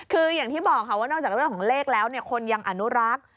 คืออย่างที่บอกค่ะว่านอกจากเรื่องของเลขแล้วคนยังอนุรักษ์